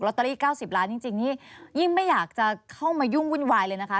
ตเตอรี่๙๐ล้านจริงนี่ยิ่งไม่อยากจะเข้ามายุ่งวุ่นวายเลยนะคะ